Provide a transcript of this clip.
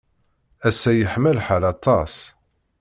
Ass-a yeḥma lḥal aṭas.